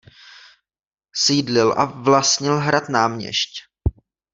Sídlil a vlastnil hrad Náměšť.